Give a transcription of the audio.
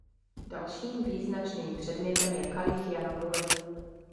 Dalším význačným předmětem je kalich Jana Buly.